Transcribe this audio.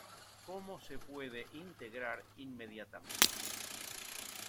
Como se puede integrar inmediatamente.